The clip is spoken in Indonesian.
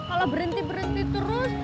kalau berhenti berhenti terus